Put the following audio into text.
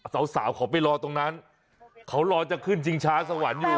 สาวสาวเขาไปรอตรงนั้นเขารอจะขึ้นชิงช้าสวรรค์อยู่